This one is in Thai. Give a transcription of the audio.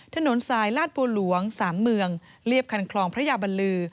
ถนนสายลาดบัวหลวง๓เมืองเรียบคันคลองพระยาบัลลือ